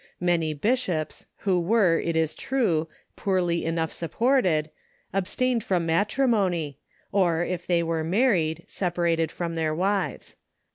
Many bishops, who were, it is true, poorly enough supported, abstained from matrimony, or, if they were married, separated from their wives.